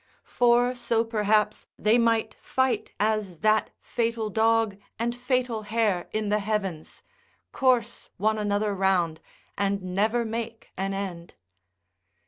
For so perhaps they might fight as that fatal dog and fatal hare in the heavens, course one another round, and never make an end.